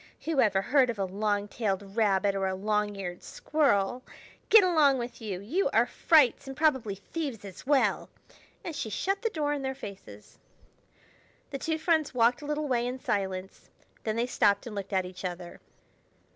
Who ever heard of a long tailed rabbit or a long eared squirrel? Get along with you! You are frights, and probably thieves as well." And she shut the door in their faces. The two friends walked a little way in silence; then they stopped and looked at each other.